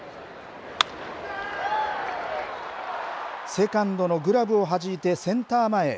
セカンドのグラブをはじいて、センター前へ。